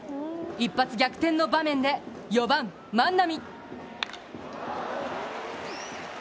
一発逆転の場面で、４番・万波。